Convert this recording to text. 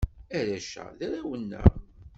Arrac-a, d arraw-nneɣ.